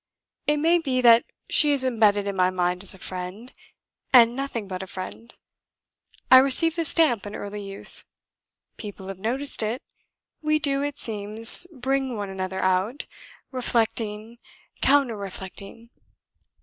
It may be that she is embedded in my mind as a friend, and nothing but a friend. I received the stamp in early youth. People have noticed it we do, it seems, bring one another out, reflecting, counter reflecting."